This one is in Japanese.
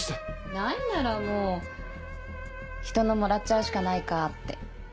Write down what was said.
ないんならもうひとのもらっちゃうしかないかって。